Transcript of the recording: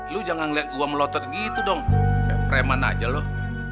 lu jangan melihat gua melotot gitu dong kayak preman aja loh